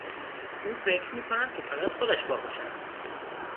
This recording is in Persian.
او فکر می کند که فقط خودش باهوش است.